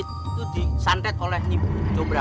itu disantai oleh ibu jombra